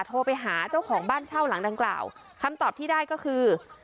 โทรไปหาเจ้าของบ้านเช่าหลังดังกล่าวคำตอบที่ได้ก็คือ